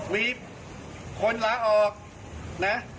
มีคนลาออกนะ